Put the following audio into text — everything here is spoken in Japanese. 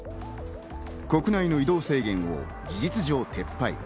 国内の移動制限を事実上撤廃。